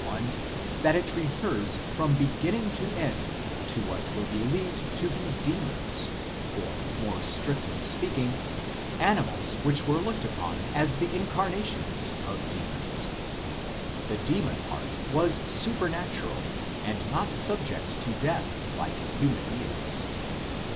42 IMMORTALITY AND THE UNSEEN WORLD that it refers from beginning to end to what were believed to be demons, or, more strictly speaking, animals which were looked upon as the incarnations of demons ; the demon part was supernatural and not subject to death like human beings.